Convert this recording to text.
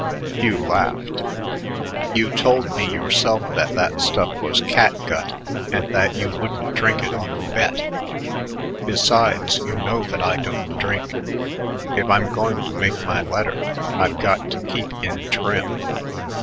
Hugh laughed. "You told me yourself that that stuff was catgut and that you wouldn't drink it on a bet. Besides, you know that I don't drink. If I'm going to make my letter, I've got to keep in trim."